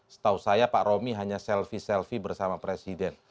setahu saya pak romi hanya selfie selfie bersama presiden